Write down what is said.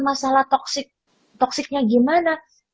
masalah toksiknya gimana